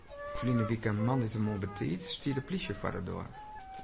Ferline wike moandeitemoarn betiid stie de plysje foar de doar.